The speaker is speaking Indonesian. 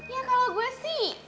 ya kalau gue sih